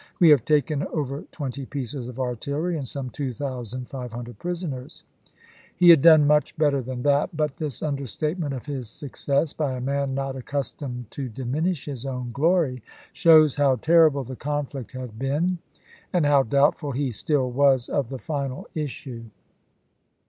We have taken over twenty pieces of artillery and some 2500 pris vo^xxx., oners." He had done much better than that, but p!^ 23. ' this understatement of his success, by a man not accustomed to diminish his own glory, shows how terrible the conflict had been and how doubtful he still was of the final issue.